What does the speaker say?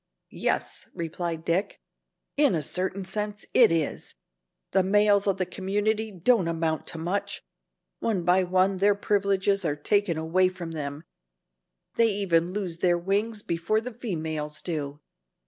"Yes," replied Dick, "in a certain sense it is. The males of the community don't amount to much. One by one their privileges are taken away from them. They even lose their wings before the females do.